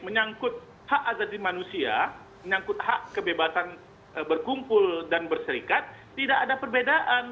menyangkut hak azazi manusia menyangkut hak kebebasan berkumpul dan berserikat tidak ada perbedaan